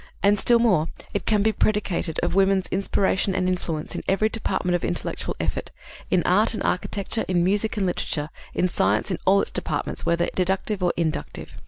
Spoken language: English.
And, still more, it can be predicated of woman's inspiration and influence in every department of intellectual effort, in art and architecture, in music and literature, in science in all its departments, whether deductive or inductive.